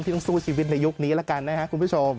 ต้องสู้ชีวิตในยุคนี้แล้วกันนะครับคุณผู้ชม